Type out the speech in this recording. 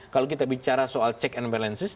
kalau kita bicara soal check and balances